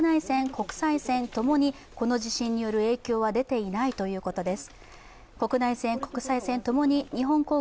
国際線ともにこの地震による影響は出ていないということです。